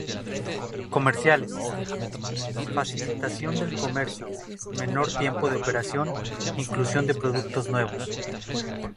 Comerciales: Facilitación del comercio, menor tiempo de operación, inclusión de productos nuevos.